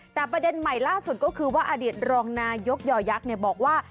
แต่ประเด็นใหม่ล่าสุดก็คือว่าอดีตรองนายกยอยักษ์บอกว่า